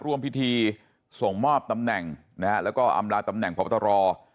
ร่วมพิธีส่งมอบตำแหน่งนะฮะแล้วก็อำลาตำแหน่งพบตร